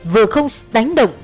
vừa không đánh động